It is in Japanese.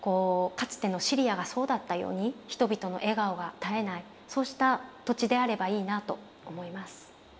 かつてのシリアがそうだったように人々の笑顔が絶えないそうした土地であればいいなと思います。